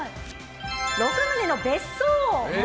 ６棟の別荘。